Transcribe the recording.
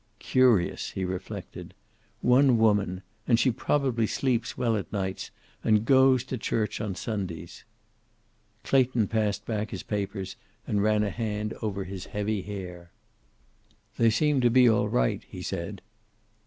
"Curious!" he reflected. "One woman! And she probably sleeps well at nights and goes to church on Sundays!" Clayton passed back his papers, and ran a hand over his heavy hair. "They seem to be all right," he said.